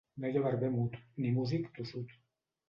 No hi ha barber mut, ni músic tossut.